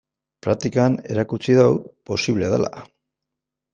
Praktikan erakutsi dugu posible dela.